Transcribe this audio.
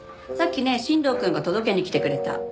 さっきね新藤くんが届けに来てくれた。